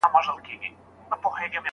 هغوی به په راتلونکي کي انسانان نه خرڅوي.